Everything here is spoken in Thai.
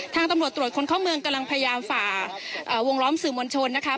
ตำรวจตรวจคนเข้าเมืองกำลังพยายามฝ่าวงล้อมสื่อมวลชนนะคะ